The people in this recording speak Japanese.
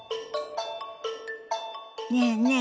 ねえねえ